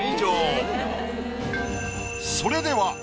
それでは。